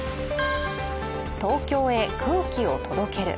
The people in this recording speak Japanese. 東京へ空気を届ける。